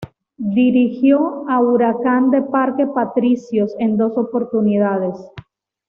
Dirigió a Huracán de Parque Patricios en dos oportunidades.